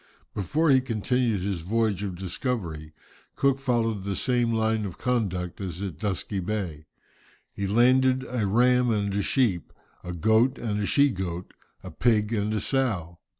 Before he continued his voyage of discovery, Cook followed the same line of conduct as at Dusky Bay. He landed a ram and a sheep, a goat and a she goat, a pig and a sow.